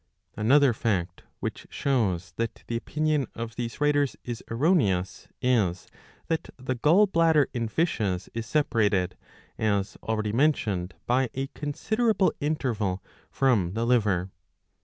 ^ Another fact, which shows that the opinion of these writers is erroneous, is that the gall bladder in fishes is separated, as already mentioned, by a considerable interval from the liver.